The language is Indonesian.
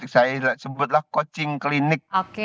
saya sebutlah coaching klinik